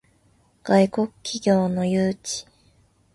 外国企業の誘致